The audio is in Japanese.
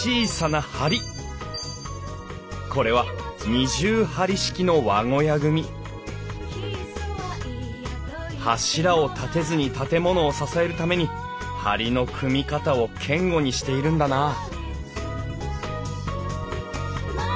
これは二重梁式の和小屋組柱を立てずに建物を支えるために梁の組み方を堅固にしているんだなあ